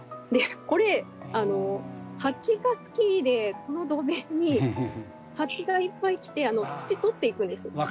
これ蜂が好きでこの土塀に蜂がいっぱい来て土取っていくんですね。